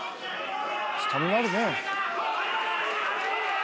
スタミナあるね。